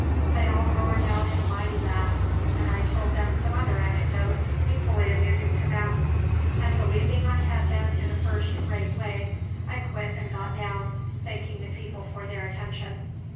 They all roared out in a mighty laugh, and I told some other anecdotes, equally amusing to them, and believing I had them in a first rate way, I quit and got down, thanking the people for their attention.